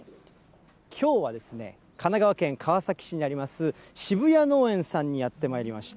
きょうは神奈川県川崎市にあります、澁谷農園さんにやってまいりました。